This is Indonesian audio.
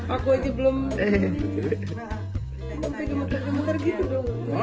aku itu belum gue gemeter gemeter gitu dong